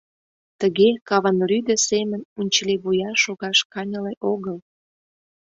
Тыге каванрӱдӧ семын унчыливуя шогаш каньыле огыл.